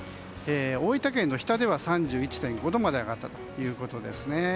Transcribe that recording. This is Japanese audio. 大分県の日田では３１．５度まで上がったということですね。